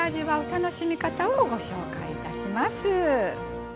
楽しみ方をご紹介いたします。